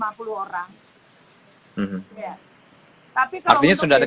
yang berada di suatu tempat itu yang belum boleh